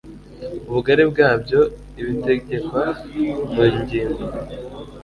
ubugari bwabyo ibitegekwa mu ngingo